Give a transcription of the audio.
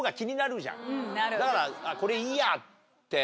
だからこれいいやって。